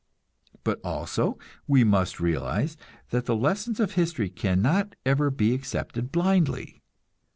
But also we must realize that the lessons of history cannot ever be accepted blindly.